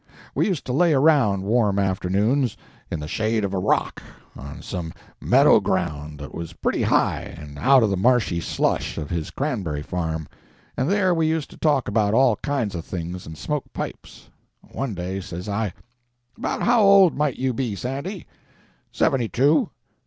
We used to lay around, warm afternoons, in the shade of a rock, on some meadow ground that was pretty high and out of the marshy slush of his cranberry farm, and there we used to talk about all kinds of things, and smoke pipes. One day, says I— "About how old might you be, Sandy?" "Seventy two."